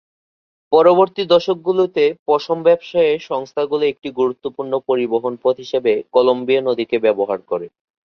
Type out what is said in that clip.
পরবর্তী দশকগুলিতে, পশম ব্যবসায়ের সংস্থাগুলি একটি গুরুত্বপূর্ণ পরিবহন পথ হিসাবে কলাম্বিয়া নদীকে ব্যবহার করে।